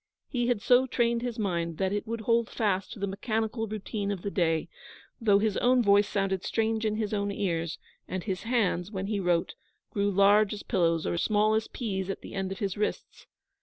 He had so trained his mind that it would hold fast to the mechanical routine of the day, though his own voice sounded strange in his own ears, and his hands, when he wrote, grew large as pillows or small as peas at the end of his wrists.